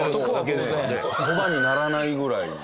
言葉にならないぐらいの。